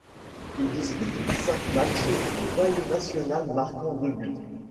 Il dispute cinq matchs sous le maillot national marquant deux buts.